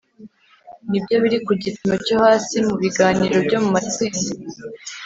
Nibyo biri ku gipimo cyo hasi mu biganiro byo mu matsinda